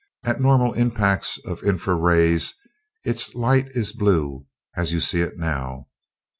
At normal impacts of infra rays its light is blue, as you see it now.